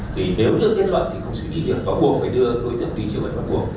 thì nếu như thiết luận thì không xử lý được bắt buộc phải đưa đối tượng tùy chủ bệnh bắt buộc